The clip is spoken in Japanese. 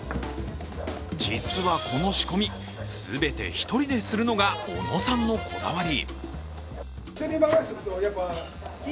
実はこの仕込み、全て１人でするのが小野さんのこだわり。